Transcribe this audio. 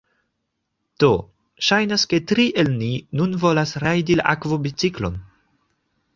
Do, ŝajnas, ke tri el ni nun volas rajdi la akvobiciklon